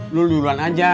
lo duluan aja